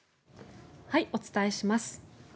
お伝えします。